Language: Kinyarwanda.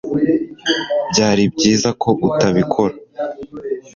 byari byiza ko utabikora